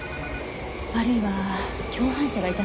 あるいは共犯者がいたのかしら？